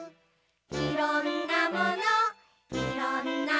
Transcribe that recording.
「いろんなものいろんなもの」